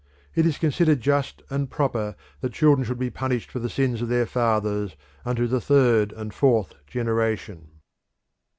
It is considered just and proper that children should be punished for the sins of their fathers unto the third and fourth generation.